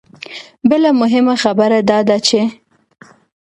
بله مهمه خبره دا ده چې